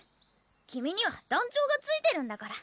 君には団長がついてるんだから。